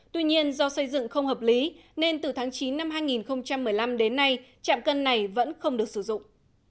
tuy nhiên do xây dựng không hợp lý nên từ tháng chín năm hai nghìn một mươi năm đến nay trạm cân này vẫn không được sử dụng